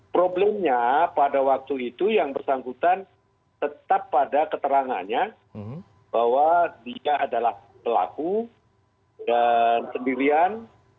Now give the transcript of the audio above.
problemnya pada waktu itu yang bersangkutan tetap pada keterangannya bahwa dia adalah pelaku dan sendirian